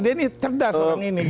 dia ini cerdas orang ini